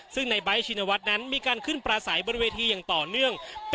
ซึ่งในไบท์ชินวัฒน์นั้นมีการขึ้นปลาใสบนเวทีอย่างต่อเนื่อง